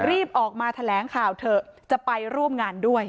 รีบออกมาแถลงข่าวเถอะจะไปร่วมงานด้วย